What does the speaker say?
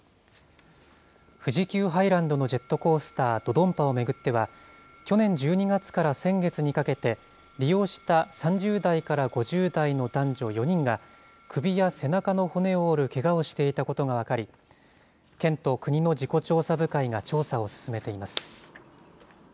富士急ハイランドのジェットコースター、ド・ドドンパを巡っては、去年１２月から先月にかけて、利用した３０代から５０代の男女４人が、首や背中の骨を折るけがをしていたことが分かり、県と国の事故調査部会が調査を進めています。